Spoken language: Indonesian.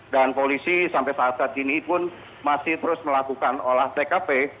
dan polisi sampai saat saat ini pun masih terus melakukan olah tkp